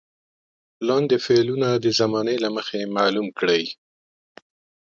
لاندې فعلونه د زمانې له مخې معلوم کړئ.